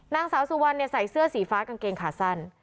นางสาวสุวรรณใส่เสื้อสีฟ้ากางเกงขาสั้น